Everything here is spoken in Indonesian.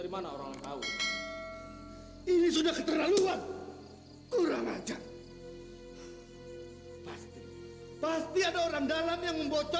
tidak ada yang bisa tahu kecuali malaikat